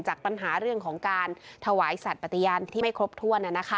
ปัญหาเรื่องของการถวายสัตว์ปฏิญาณที่ไม่ครบถ้วน